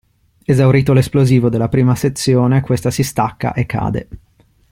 Esaurito l'esplosivo della prima sezione questa si stacca e cade.